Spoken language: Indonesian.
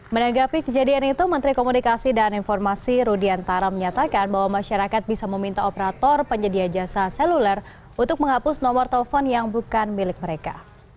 menanggapi kejadian itu menteri komunikasi dan informasi rudiantara menyatakan bahwa masyarakat bisa meminta operator penyedia jasa seluler untuk menghapus nomor telepon yang bukan milik mereka